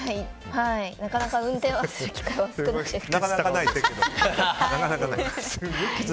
なかなか運転する機会は少ないですけど。